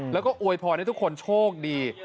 แล้วก็อวยพรให้ทุกคนโชคดี